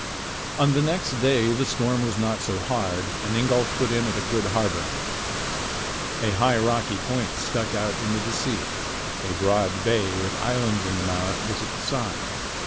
On the next day the storm was not so hard, and Ingolf put in at a good harbor. A high rocky point stuck out into the sea. A broad bay with islands in the mouth was at the side.